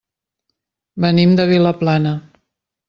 Venim de Vilaplana.